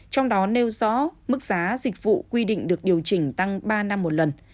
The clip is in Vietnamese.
trong đó nêu rõ mức giá dịch vụ quy định được điều chỉnh tăng ba năm một lần